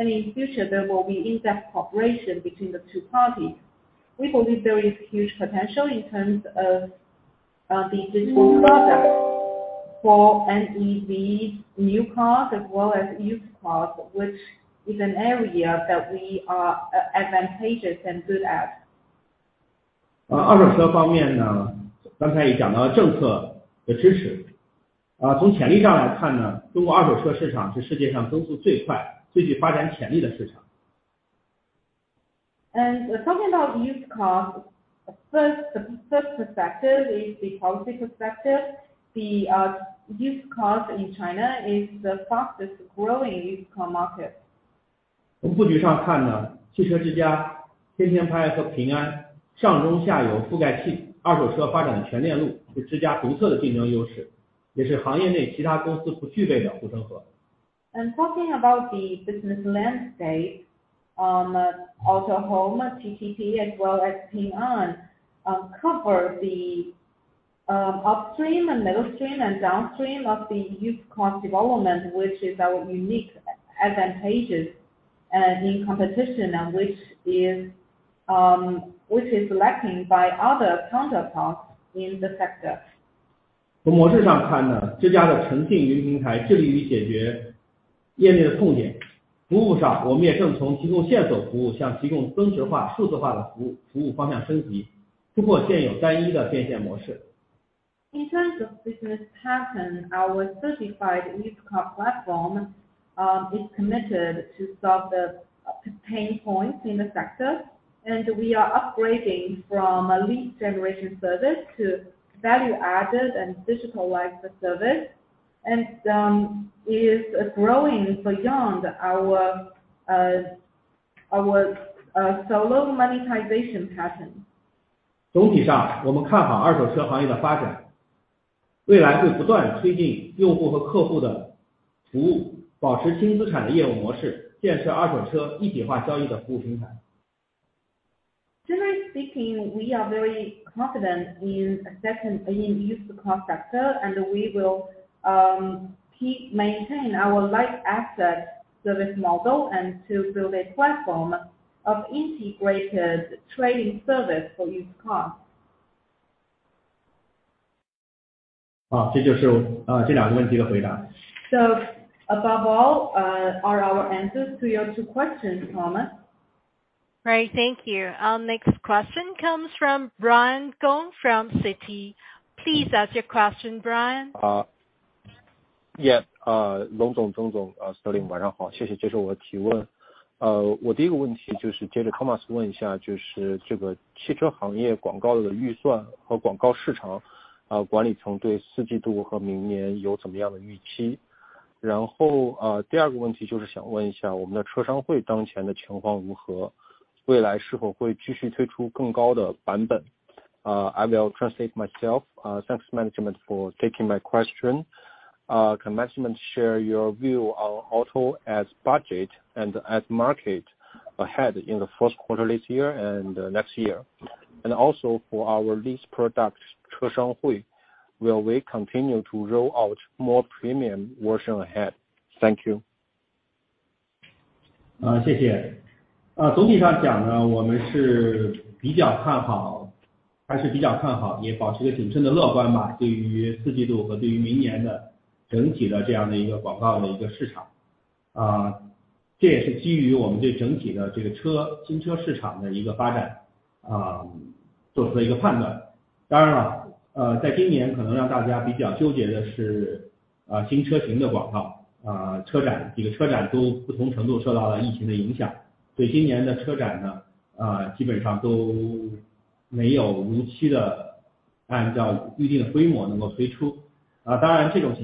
product. In future, there will be in-depth cooperation between the two parties. We believe there is huge potential in terms of the digital products. For NEV new car as well as used cars which is an area that we are advantageous and good at. 二手车方面，刚才也讲到了政策的支持。从潜力上来看，中国二手车市场是世界上增速最快、最具发展潜力的市场。Talking about used cars, first perspective is the policy perspective. The used cars in China is the fastest growing car market. 从布局上看，汽车之家、天天拍车和平安上中下游覆盖，二手车发展的全链路是之家独特的竞争优势，也是行业内其他公司不具备的护城河。Talking about the business landscape, Autohome, TTP as well as Ping An, cover the upstream and midstream and downstream of the used car development, which is our unique advantage in competition and which is lacking by other counterparts in the sector. 从模式上看，之家的诚信车平台致力于解决业内的痛点。服务上我们也正从提供线索服务向提供增值化数字化的服务，服务方向升级，突破现有单一的变现模式。In terms of business pattern, our certified used car platform is committed to solve the pain points in the sector, and we are upgrading from a lead generation service to value added and digitalized service, and is growing beyond our solo monetization pattern. 总体上我们看好二手车行业的发展，未来会不断推进用户和客户的服务，保持轻资产的业务模式，建设二手车一体化交易的服务平台。Generally speaking, we are very confident in used car sector and we will maintain our light asset service model and to build a platform of integrated trading service for used cars. 好，这就是啊这两个问题的回答。Above all, are our answers to your two questions, Thomas. Right. Thank you. Next question comes from Brian Gong from Citi. Please ask your question, Brian. 龙总，钟总，晚上好，谢谢接受我提问。我第一个问题就是接着Thomas问一下，就是这个汽车行业广告的预算和广告市场，管理层对四季度和明年有怎么样的预期。然后第二个问题就是想问一下我们的车商会当前的情况如何，未来是否会继续推出更高的版本。Uh, I will translate myself. Uh, thanks management for taking my question. Can management share your view on auto ad budget and ad market ahead in the fourth quarter this year and next year? And also for our lease products 车商会, will we continue to roll out more premium version ahead? Thank you. Generally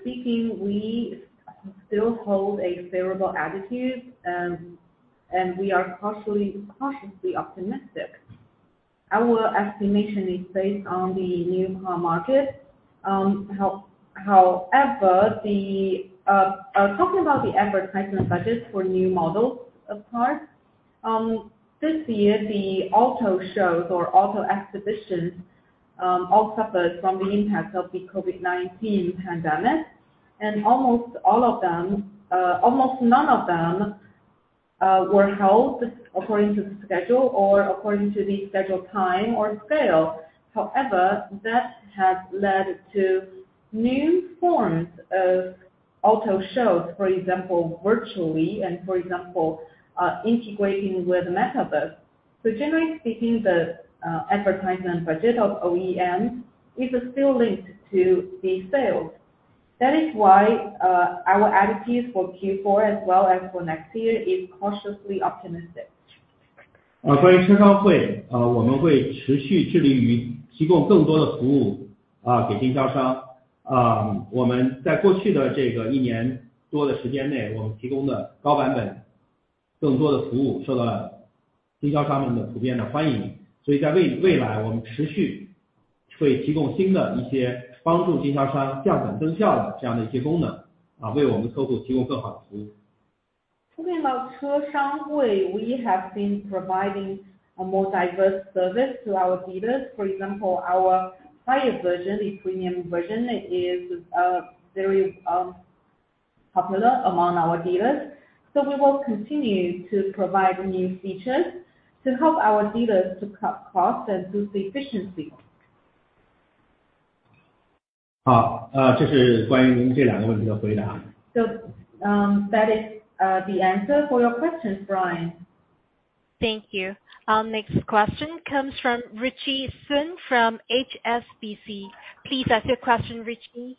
speaking, we still hold a favorable attitude, and we are cautiously optimistic. Our estimation is based on the new car market. However, talking about the advertisement budget for new model of cars, this year, the auto shows or auto exhibitions all suffered from the impact of the COVID-19 pandemic, and almost none of them were held according to the schedule or according to the scheduled time or sale. However, that has led to new forms of auto shows, for example, virtually and for example, integrating with metaverse. Generally speaking, the advertisement budget of OEM is still linked to the sales. That is why our attitudes for Q4 as well as for next year is cautiously optimistic. 关于车商会，我们会持续致力于提供更多的服务给经销商。我们在过去的一年多的时间内，我们提供的高版本更多的服务受到了经销商们的普遍的欢迎，所以在未来我们持续会提供新的一些帮助经销商降本增效的这样的一些功能，为我们客户提供更好的服务。Speaking of 车商会. We have been providing a more diverse service to our dealers. For example, our higher version, the premium version is a very popular among our dealers. We will continue to provide new features to help our dealers to cut costs and boost efficiency. 好，这是关于您这两个问题的回答。That is the answer for your questions, Brian. Thank you. Our next question comes from Ritchie Sun from HSBC. Please ask your question, Ritchie.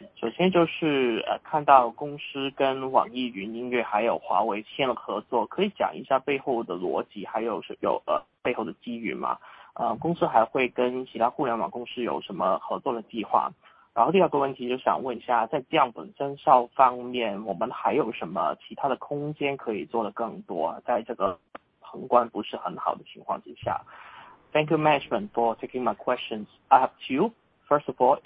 谢谢管理层接受我的提问。两个问题。首先就是，看到公司跟网易云音乐还有华为签了合作，可以讲一下背后的逻辑，还有背后的机遇吗？公司还会跟其他互联网公司有什么合作的计划？然后第二个问题就想问一下，在降本增效方面，我们还有什么其他的空间可以做得更多，在这个宏观不是很好的情况之下。Thank you management for taking questions up to you. First of all,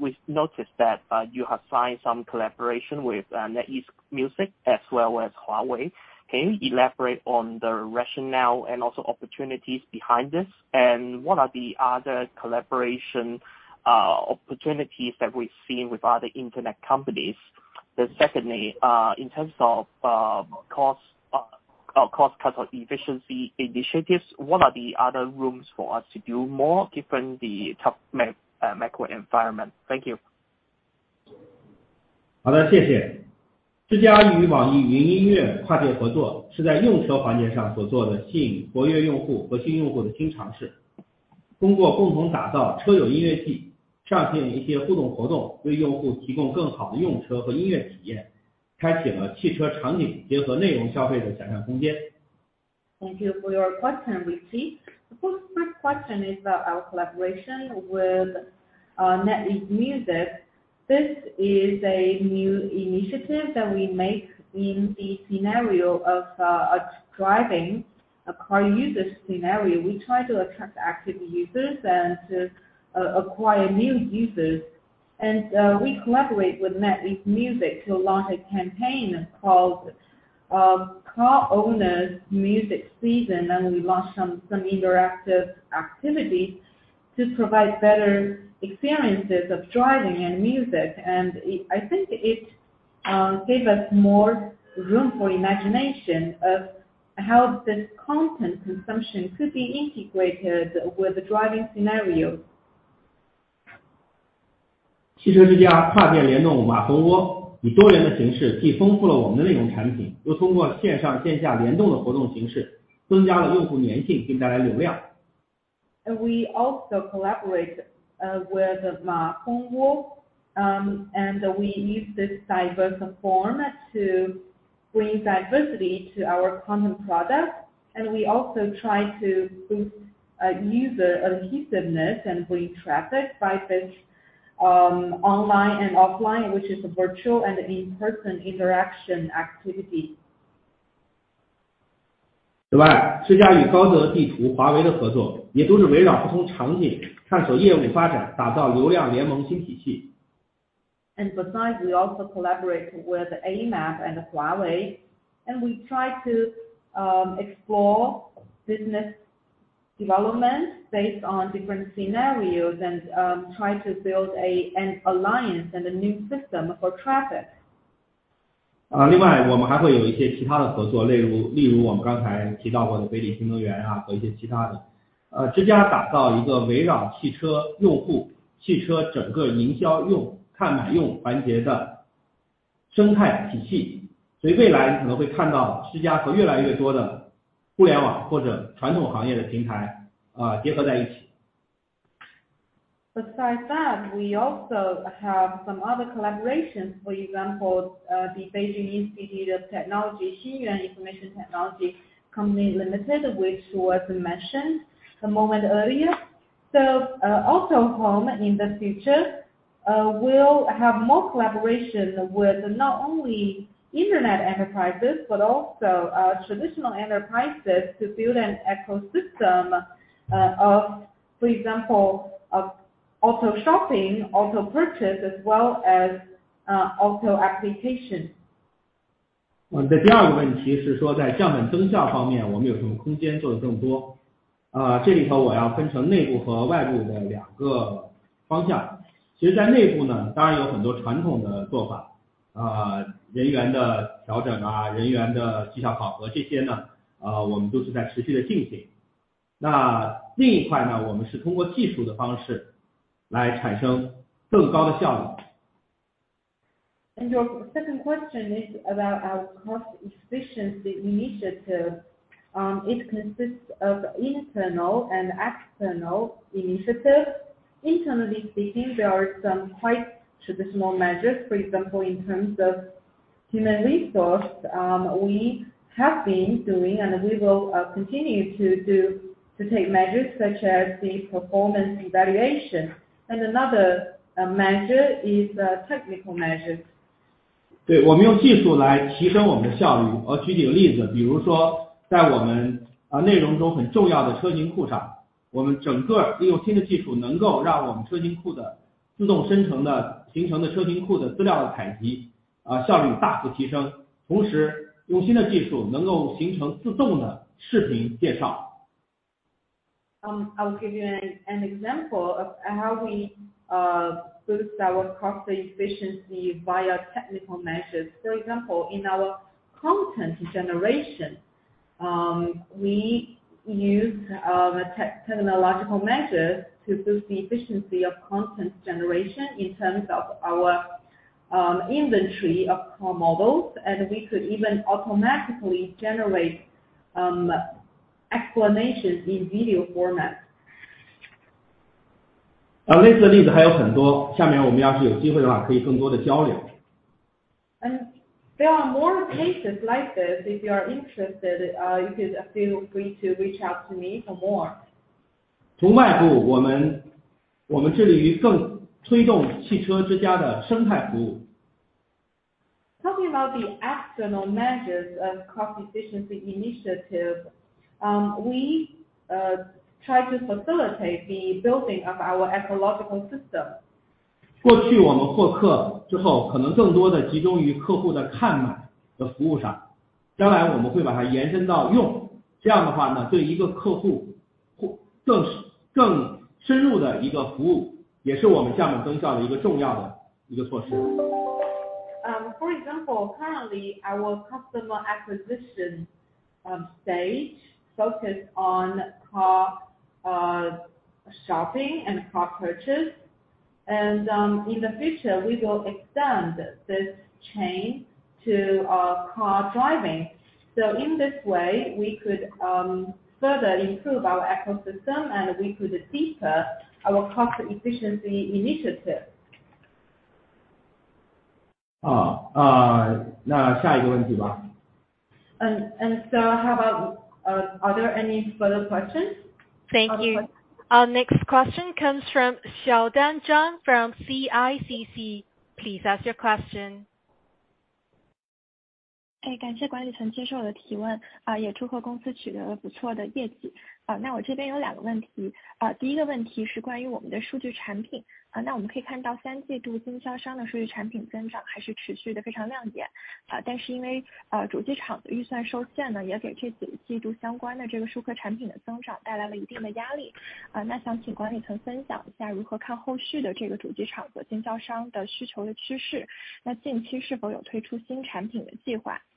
we notice that you have signed some collaboration with NetEase Music as well as Huawei. Can you elaborate on the rationale and also opportunities behind this? What are the other collaboration opportunities that we've seen with other internet companies? Secondly, in terms of cost cut or efficiency initiatives, what are the other rooms for us to do more given the tough macro environment? Thank you. 好的，谢谢。这家与网易云音乐跨界合作是在用车环节上所做的吸引活跃用户和新用户的新尝试。通过共同打造车友音乐季，上线一些互动活动，为用户提供更好的用车和音乐体验，开启了汽车场景结合内容消费的想象空间。Thank you for your question, Richie. The first question is about our collaboration with NetEase Music. This is a new initiative that we make in the scenario of driving a car user scenario, we try to attract active users and to acquire new users. We collaborate with NetEase Music to launch a campaign called Car Owners Music Season, and we launched some interactive activities to provide better experiences of driving and music, and I think it gave us more room for imagination of how this content consumption could be integrated with the driving scenario. 汽车之家跨界联动马蜂窝，以多元的形式既丰富了我们的内容产品，又通过线上线下联动的活动形式增加了用户粘性，带来流量。We also collaborate with 马蜂窝 and we use this diverse form to bring diversity to our content product, and we also try to boost user adhesiveness and bring traffic by this online and offline, which is virtual and in person interaction activity. 此外，汽车之家与高德地图、华为的合作，也都是围绕不同场景探索业务发展，打造流量联盟新体系。Besides, we also collaborate with Amap and Huawei, and we try to explore business development based on different scenarios and try to build an alliance and a new system for traffic. 另外，我们还会有一些其他的合作，例如我们刚才提到过的北汽新能源，和一些其他的。之家打造一个围绕汽车用户、汽车整个营销用、看买用环节的生态体系。所以未来你可能会看到之家和越来越多的互联网或者传统行业的平台结合在一起。Besides that, we also have some other collaborations. For example, the Beijing Institute of Technology Xinyuan Information Science & Technology Co, Ltd, which was mentioned a moment earlier. Autohome in the future will have more collaboration with not only Internet enterprises, but also traditional enterprises to build an ecosystem of, for example, of auto shopping, auto purchase as well as auto application. 你的第二个问题是说在降本增效方面我们有什么空间做得更多。这里头我要分成内部和外部的两个方向。其实在内部呢，当然有很多传统的做法，人员的调整、人员的绩效考核这些呢，我们都是在持续地进行。那另一块呢，我们是通过技术的方式来产生更高的效率。Your second question is about our cost efficiency initiative. It consists of internal and external initiatives. Internally speaking, there are some quite traditional measures. For example, in terms of human resource, we have been doing and we will continue to do to take measures such as the performance evaluation. Another measure is technical measures. 对，我们用技术来提升我们的效率。我举几个例子，比如说在我们内容中很重要的车型库上，我们整个利用新的技术能够让我们车型库的自动生成的形成的车型库的资料的采集啊效率大幅提升，同时用新的技术能够形成自动的视频介绍。I'll give you an example of how we boost our cost efficiency via technical measures. For example, in our content generation, we use technological measures to boost the efficiency of content generation in terms of our inventory of car models, and we could even automatically generate explanations in video format. 类似的例子还有很多，下面我们要是有机会的话可以更多的交流。There are more cases like this if you are interested. You could feel free to reach out to me for more. 从外部我们致力于更推动汽车之家的生态服务。Talking about the external measures of cost efficiency initiative. We try to facilitate the building of our ecosystem. 过去我们获客之后，可能更多地集中于客户的看嘛的服务上，将来我们会把它延伸到用。这样的话呢，对一个客户更深入的一个服务，也是我们降本增效的一个重要的一个措施。For example, currently our customer acquisition stage focus on car shopping and car purchase. In the future we will extend this chain to car driving. In this way we could further improve our ecosystem and we could deeper our cost efficiency initiative. 那下一个问题吧。How about, are there any further questions? Thank you. Our next question comes from Xiaodan Zhang from CICC. Please ask your question. 感谢管理层接受我的提问，也祝贺公司取得了不错的业绩。那我这边有两个问题，第一个问题是关于我们的数据产品，那我们可以看到三季度经销商的数据产品增长还是持续得非常亮眼，但是因为主机厂的预算受限呢，也给这几个季度相关的这个数科产品的增长带来了一定的压力。那想请管理层分享一下如何看后续的这个主机厂和经销商的需求的趋势，那近期是否有推出新产品的计划？然后第二个问题是关于我们现金的使用，那公司的现金流一直都非常的充沛，那我们是否有进一步提高派息比例或者是加大回购力度的计划？My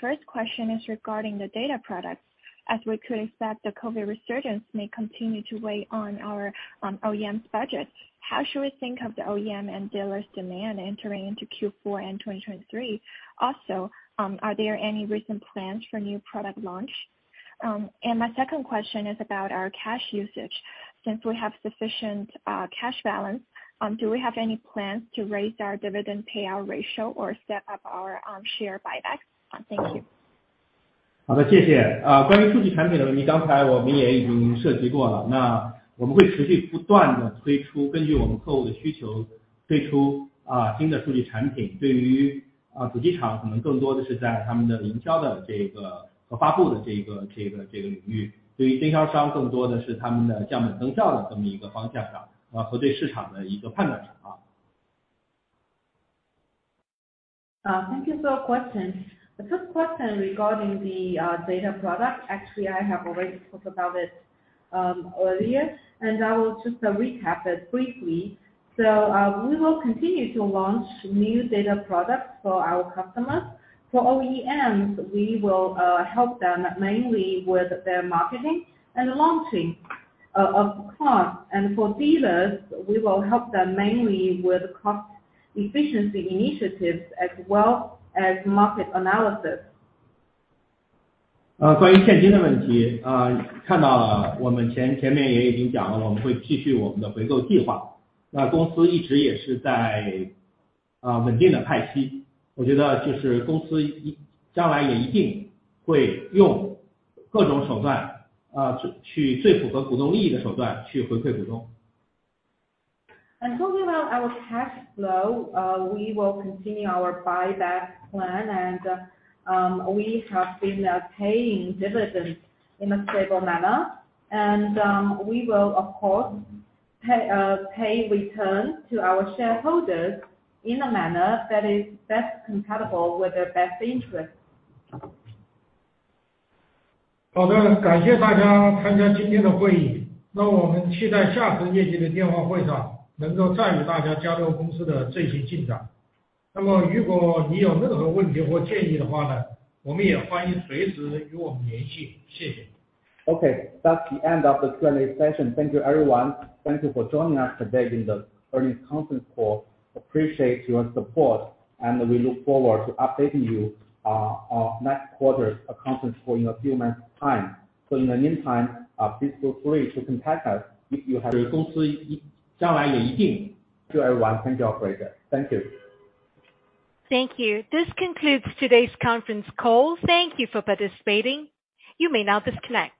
first question is regarding the data product, as we could accept the COVID resurgence may continue to weigh on our OEM budget. How should we think of the OEM and dealers demand entering into Q4 and 2023? Also, are there any recent plans for new product launch? My second question is about our cash usage since we have sufficient cash balance. Do we have any plans to raise our dividend payout ratio or step up our share buyback? Thank you. 好的，关于数据产品的问题，刚才我们也已经涉及过了，那我们会持续不断地根据我们客户的需求推出新的数据产品。对于主机厂，可能更多的是在他们的营销和发布这个领域；对于经销商，更多的是他们的降本增效这么一个方向上，和对市场的一个判断上。Thank you for your question. The first question regarding the data product. Actually, I have already talked about it earlier, and I will just recap it briefly. We will continue to launch new data products for our customers. For OEMs, we will help them mainly with their marketing and launching of cars. For dealers, we will help them mainly with cost efficiency initiatives as well as market analysis. 关于现金的问题，看到我们前面也已经讲了，我们会继续我们的回购计划，那公司一直也是在稳定的派息，我觉得就是公司将来也一定会用各种手段，去最符合股东利益的手段去回馈股东。Talking about our cash flow, we will continue our buy back plan. We have been paying dividends in a stable manner. We will of course pay returns to our shareholders in a manner that is best compatible with their best interest. 好的，感谢大家参加今天的会议，那我们期待下次业绩的电话会上能够再与大家交流公司的最新进展。那么如果你有任何问题或建议的话呢，我们也欢迎随时与我们联系。谢谢。Okay, that's the end of the Q&A session. Thank you everyone. Thank you for joining us today in the earnings conference call. Appreciate your support and we look forward to updating you on our next quarter's conference call in a few months time. In the meantime, feel free to contact us if you have- 公司将来也一定。Thank you everyone, thank you all for it. Thank you. Thank you. This concludes today's conference call. Thank you for participating. You may now disconnect.